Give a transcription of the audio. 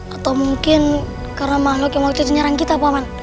atau mungkin karena mahluk yang waktu itu nyerang kita pak man